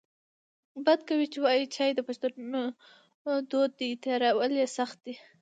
بد کوي چې وایې چای د پښتنو دود دی تیارول یې سخت دی